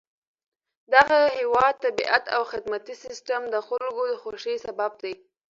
دغه هېواد طبیعت او خدماتي سیستم د خلکو د خوښۍ سبب دی.